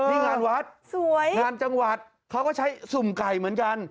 นี่งานวัดสวยงานจังหวัดเขาก็ใช้สุ่มไก่เหมือนกัน